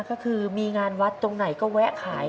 ก็คือมีงานวัดตรงไหนก็แวะขาย